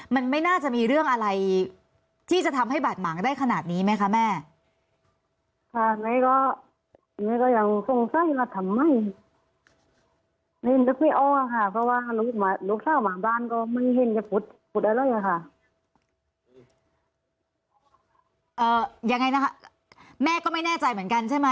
มันไม่น่าจะมีเรื่องอะไรที่จะทำให้บาดหมางได้ขนาดนี้ไหมคะแม่ค่ะ